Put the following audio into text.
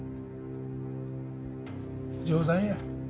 冗談や。